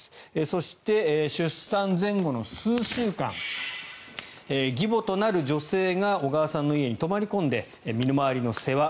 そして、出産前後の数週間義母となる女性が小川さんの家に泊まり込んで身の回りの世話